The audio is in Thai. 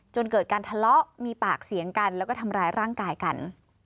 จนเกิดการทะเลาะมีปากเสียงกันแล้วก็ทำร้ายร่างกายกัน